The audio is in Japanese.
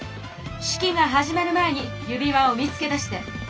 式が始まる前に指輪を見つけ出して！